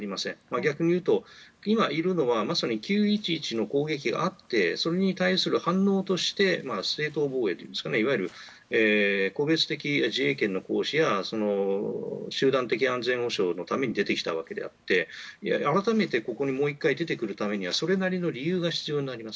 逆に言うと、今いるのはまさに９・１１の攻撃があってそれに対する反応として正当防衛といいますかいわゆる個別的自衛権の行使や集団的安全保障のために出てきたのであって改めてここに出てくるためにはそれなりの理由が必要になります。